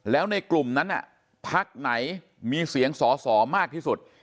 แล้วในกลุ่มนั้นพักไหนมีเสียงสอสอมากที่สุด